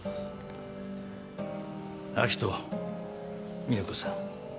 明人美保子さん。